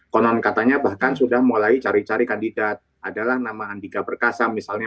konon katanya bahkan sudah mulai cari cari kandidat adalah nama andika perkasa misalnya